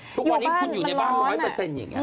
ทุกวันนี้คุณอยู่ในบ้านร้อยเปอร์เซ็นต์อย่างนี้